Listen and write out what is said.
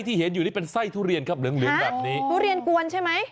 ทุเรียนกวนใช่ไหม